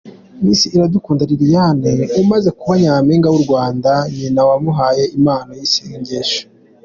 Miss Iradukunda Liliane amaze kuba Nyampinga w’u Rwanda nyina yamuhaye impano y’isengesho.